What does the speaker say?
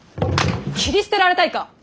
斬り捨てられたいか。